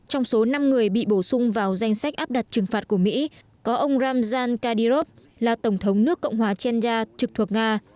trong số năm người bị bổ sung vào danh sách áp đặt trừng phạt của mỹ có ông ramjan kadirov là tổng thống nước cộng hòa chenda trực thuộc nga